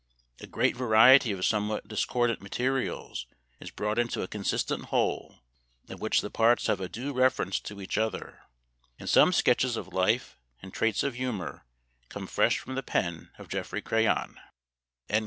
A great variety of somewhat discordant materials is brought into a consistent whole, of which the parts have a due reference to each other ; and some sketches of life and traits of humor come fresh from the pen of Geoffrey Crayon."